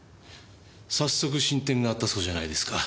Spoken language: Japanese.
早速進展があったそうじゃないですか。